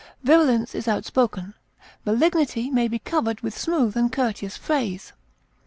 Virulence is outspoken; malignity may be covered with smooth and courteous phrase.